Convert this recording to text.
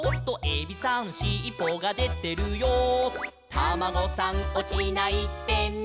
「タマゴさんおちないでね」